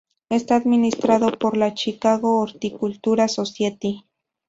Está administrado por la "Chicago Horticultural Society".